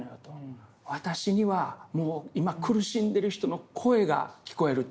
私には今苦しんでる人の声が聞こえると。